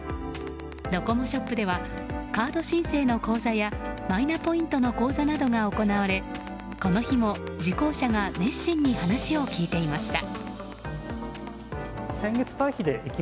ドコモショップではカード申請の講座やマイナポイントの講座などが行われこの日も受講者が熱心に話を聞いていました。